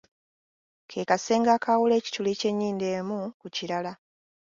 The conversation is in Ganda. Ke kasenge akaawula ekituli ky’ennyindo emu ku kirala.